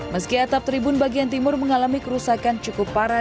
meski atap tribun bagian timur mengalami kerusakan cukup parah